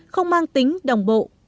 không mang tính đồng bộ